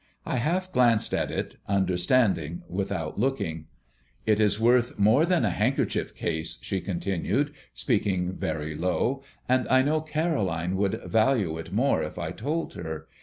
I half glanced at it, understanding without looking. "It is worth more than a handkerchief case," she continued, speaking very low, "and I know Caroline would value it more, if I told her.